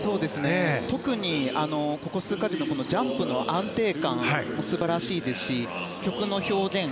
特にここ数か月ジャンプの安定感も素晴らしいですし曲の表現